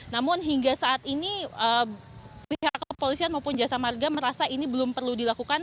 namun hingga saat ini pihak kepolisian maupun jasa marga merasa ini belum perlu dilakukan